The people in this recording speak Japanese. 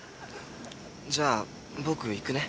じゃあ僕行くね。